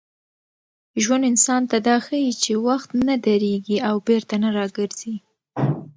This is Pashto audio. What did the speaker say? ژوند انسان ته دا ښيي چي وخت نه درېږي او بېرته نه راګرځي.